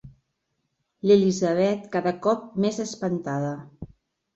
L'Elisabet cada cop més espantada.